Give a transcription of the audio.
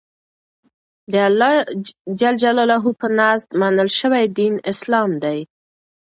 دالله ج په نزد منل شوى دين اسلام دى.